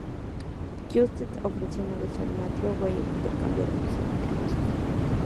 Kęstutis ofreció negociar una tregua y el intercambio de prisioneros.